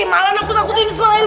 malah nakut nakutin ismail